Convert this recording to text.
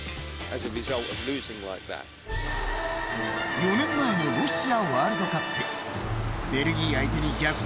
４年前のロシアワールドカップベルギー相手に逆転